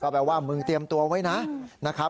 ก็แปลว่ามึงเตรียมตัวไว้นะ